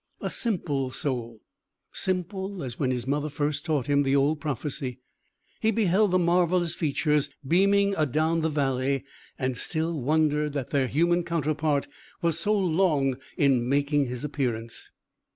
A simple soul simple as when his mother first taught him the old prophecy he beheld the marvellous features beaming adown the valley, and still wondered that their human counterpart was so long in making his appearance.